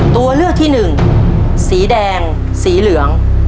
ตัวเลือกที่หนึ่งสีแดงสีเหลือง